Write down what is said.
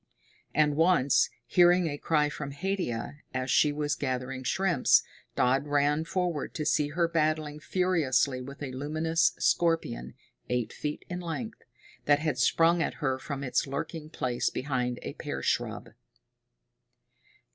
And once, hearing a cry from Haidia, as she was gathering shrimps, Dodd ran forward to see her battling furiously with a luminous scorpion, eight feet in length, that had sprung at her from its lurking place behind a pear shrub.